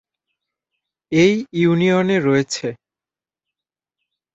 এই ইউনিয়নে রয়েছেঃ